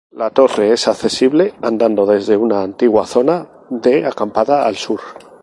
La torre es accesible andando desde una antigua zona de acampada al sur.